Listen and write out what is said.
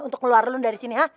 untuk ngeluarin lo dari sini ha